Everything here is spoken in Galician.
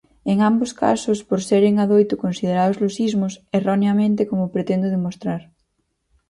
En ambos os casos por seren adoito considerados lusismos, erroneamente como pretendo demostrar.